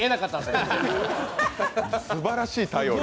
すばらしい対応力。